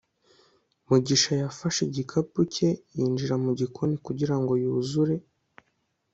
mugisha yafashe igikapu cye yinjira mu gikoni kugira ngo yuzure